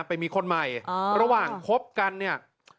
ไปมีคนใหม่ระหว่างคบกันเนี่ย